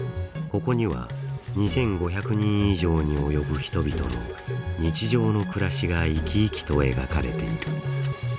ここには２，５００人以上に及ぶ人々の日常の暮らしが生き生きと描かれている。